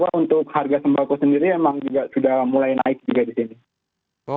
untuk harga sembako sendiri memang juga sudah mulai naik juga di sini